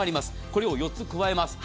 これを４つ加えます。